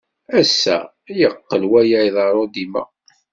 Ass-a, yeqqel waya iḍerru dima.